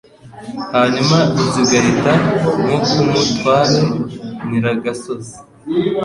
Hanyuma zigahita nko k'umutware Nyiragasozi,